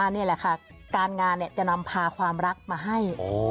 นี่แหละค่ะการงานจะนำพาความรักมาให้